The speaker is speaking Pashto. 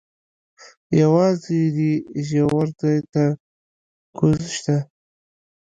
یوازې دې ژور ځای ته کوز شه.